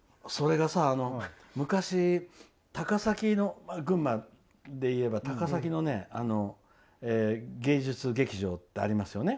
昔、群馬でいえば高崎の芸術劇場ってありますよね。